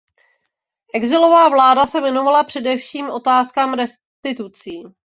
Exilová vláda se věnovala především otázkám restitucí.